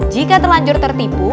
jika telanjur tertipu